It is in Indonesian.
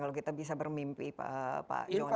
kalau kita bisa bermimpi pak yona